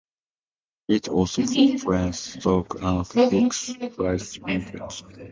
It also influences stock and fixed price markets.